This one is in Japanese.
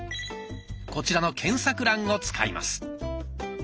こちらの検索欄を使います。